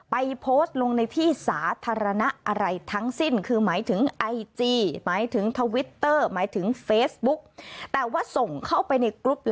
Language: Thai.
ไปโพสต์ลงในที่สาธารณะอะไรทั้งสิ้น